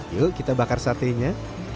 yuk kita bakar satenya